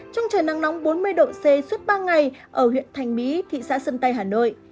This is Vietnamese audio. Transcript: trong trời nắng nóng bốn mươi độ c suốt ba ngày ở huyện thành mỹ thị xã sơn tây hà nội